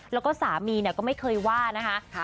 แล้วก็สามีก็ไม่เคยว่านะคะ